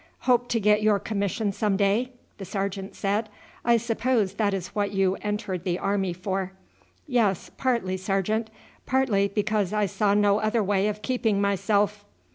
"Hope to get your commission some day?" the sergeant said. "I suppose that is what you entered the army for." "Yes, partly, sergeant; partly because I saw no other way of keeping myself."